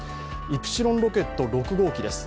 イプシロンロケット６号機です。